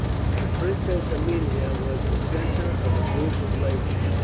The Princess Amelia was the centre of a group of ladies.